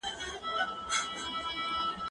زه مخکي زده کړه کړي وو.